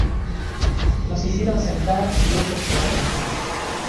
nos hicieron sentar, y ellos quedaron en pie.